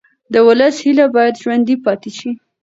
د ولس هیله باید ژوندۍ پاتې شي